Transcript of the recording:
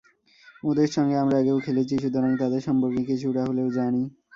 ওদের সঙ্গে আমরা আগেও খেলেছি, সুতরাং তাদের সম্পর্কে কিছুটা হলেও জানি।